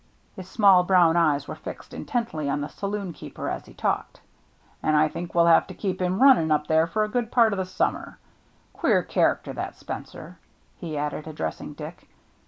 His small brown eyes were fixed in tently on the saloon keeper as he talked. "And I think we'll have to keep him run ning up there for a good part of the summer. Queer character, that Spencer," he added, addressing Dick.